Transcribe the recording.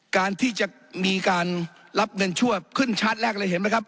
การที่จะมีการรับเงินชั่วขึ้นชาร์จแรกเลยเห็นไหมครับ